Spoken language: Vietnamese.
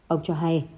ông cho hay